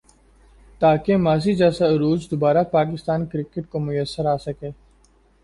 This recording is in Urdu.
تاکہ ماضی جیسا عروج دوبارہ پاکستان کرکٹ کو میسر آ سکے ۔